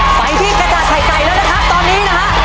ไปที่กระดาษไข่ไก่แล้วนะครับตอนนี้นะฮะ